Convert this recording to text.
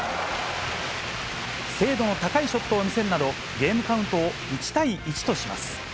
精度の高いショットを見せるなど、ゲームカウントを１対１とします。